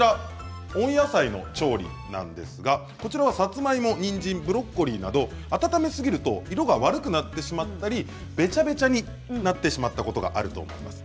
温野菜の調理ですがさつまいも、にんじんブロッコリーなど温めすぎると色が悪くなってしまったりべちゃべちゃになってしまったことがあると思います。